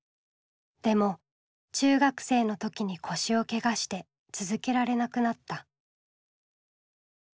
でも中学生の時に腰をけがして続けられなくなった。